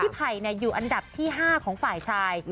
ไผ่อยู่อันดับที่๕ของฝ่ายชาย